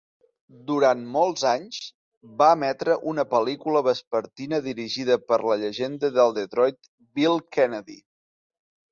Durant molts anys, va emetre una pel·lícula vespertina dirigida per la llegenda de Detroit Bill Kennedy.